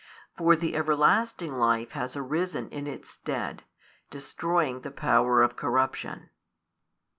For the everlasting life has arisen in its stead, destroying the power of corruption.